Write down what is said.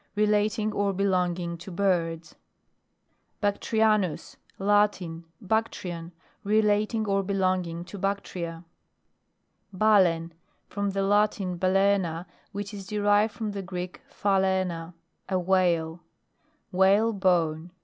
Relating or belonging to birds. BACTRIANUS. Latin. Bactrian. Re lating or belonging to Bactria. BALEN. From the Latin, balaena, which is derived from the Greek, phalaina, a whale. Whalebone.